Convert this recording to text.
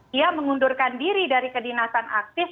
dia mengundurkan diri dari kedinasan aktif